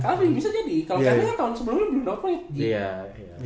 kalo kelvin kan tahun sebelumnya belum doplate